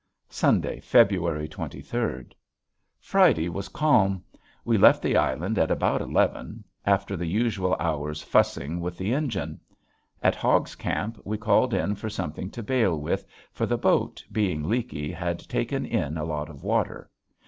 Sunday, February twenty third. Friday was calm. We left the island at about eleven after the usual hours fussing with the engine. At Hogg's camp we called in for something to bale with, for the boat, being leaky, had taken in a lot of water.